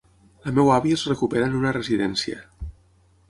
La meva àvia es recupera en una residència.